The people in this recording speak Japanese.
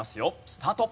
スタート！